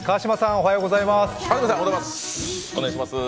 おはようございます。